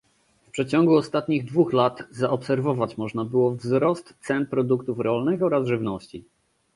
W przeciągu ostatnich dwóch lat zaobserwować można było wzrost cen produktów rolnych oraz żywności